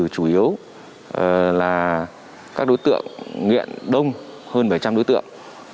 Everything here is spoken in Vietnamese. chủ yếu là các đối tượng nghiện đông hơn bảy trăm linh đối tượng